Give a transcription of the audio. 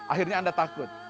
akhirnya anda takut